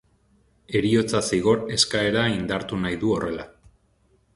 Heriotza zigor eskaera indartu nahi du horrela.